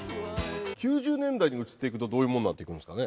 ９０年代に移っていくとどういうものになっていくんですかね？